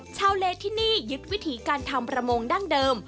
ชาวเลที่นี่ยึดวิถีการทำประมงดั้งเดิม